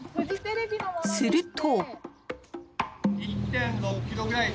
すると。